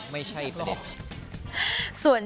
ไม่ใช่ประเด็น